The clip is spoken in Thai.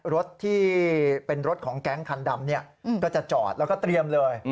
รถที่เป็นรถของแก๊งคันดำก็จะจอดแล้วก็เตรียมเลย